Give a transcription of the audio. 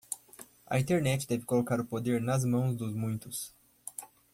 A Internet deve colocar o poder nas mãos dos muitos